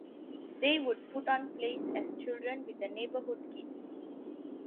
They would put on plays as children with the neighborhood kids.